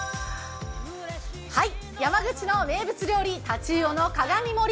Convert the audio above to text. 山口の名物料理、タチウオの鏡盛り。